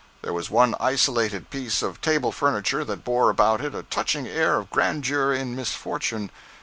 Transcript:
There was one isolated piece of table furniture that bore about it a touching air of grandeur in misfortune.